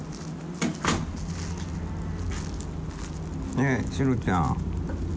ねえシロちゃん。